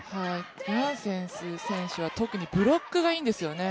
ヤンセンス選手は特にブロックがいいんですよね。